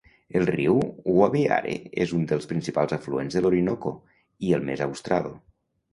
El riu Guaviare és un dels principals afluents de l'Orinoco, i el més austral.